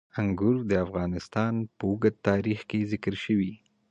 انګور د افغانستان په اوږده تاریخ کې ذکر شوي.